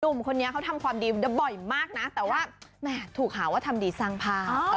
คนนี้เขาทำความดีบ่อยมากนะแต่ว่าแหมถูกหาว่าทำดีสร้างภาพ